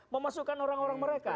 memasukkan orang orang mereka